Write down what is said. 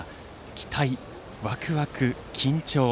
期待、ワクワク、緊張。